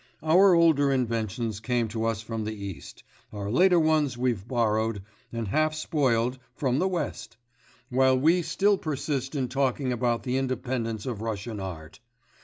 Our older inventions came to us from the East, our later ones we've borrowed, and half spoiled, from the West, while we still persist in talking about the independence of Russian art!